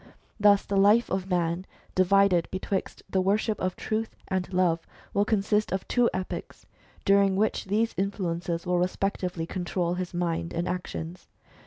Thus the life of man, divided betwixt the worship of Truth and Love, will consist of \ two epochs, during which these influences will respectively control his mind and actions.